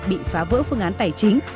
bị phá vỡ phương án tài chính